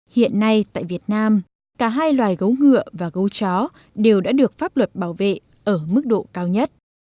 hiện nay tại việt nam cả hai loài gấu ngựa và gấu chó đều đã được pháp luật bảo vệ ở mức độ cao nhất